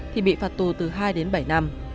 thì bị phạt tù từ hai đến bảy năm